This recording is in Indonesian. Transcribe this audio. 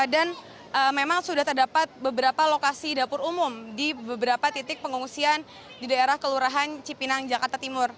dan memang sudah terdapat beberapa lokasi dapur umum di beberapa titik pengungsian di daerah kelurahan cipinang jakarta timur